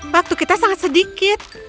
waktu kita sangat sedikit